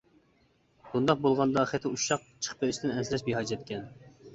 بۇنداق بولغاندا خېتى ئۇششاق چىقىپ قېلىشتىن ئەنسىرەش بىھاجەتكەن.